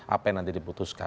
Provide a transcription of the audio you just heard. apa yang nanti diputuskan